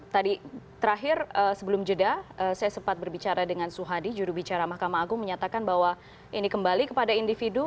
tadi terakhir sebelum jeda saya sempat berbicara dengan suhadi jurubicara mahkamah agung menyatakan bahwa ini kembali kepada individu